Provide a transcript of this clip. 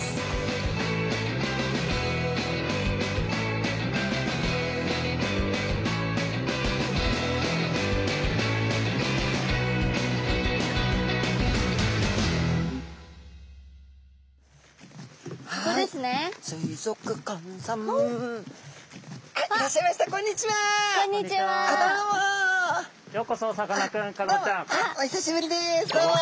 どうもお久しぶりです。